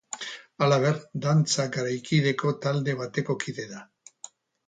Halaber, dantza garaikideko talde bateko kide da.